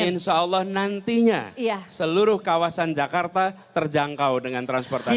insyaallah nantinya seluruh kawasan jakarta terjangkau dengan transportasi